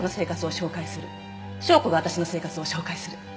紹子が私の生活を紹介する。